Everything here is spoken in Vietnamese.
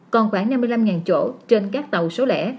còn khoảng năm mươi năm chỗ trên các tàu số lẻ